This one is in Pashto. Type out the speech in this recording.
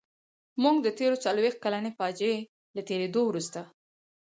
موږ د تېرې څلويښت کلنې فاجعې له تېرېدو وروسته.